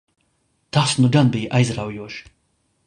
Tas nu gan bija aizraujoši!